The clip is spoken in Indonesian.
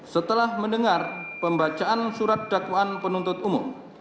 setelah mendengar pembacaan surat dakwaan penuntut umum